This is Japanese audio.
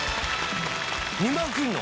２万切るの？